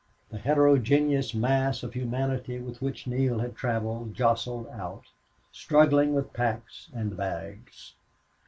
The heterogeneous mass of humanity with which Neale had traveled jostled out, struggling with packs and bags.